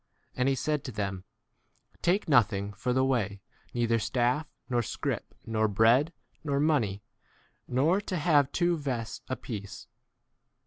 3 And he said to them, Take no thing for the way, neither staff, 1 nor scrip, nor bread, nor money ; 4 nor to have two vests apiece.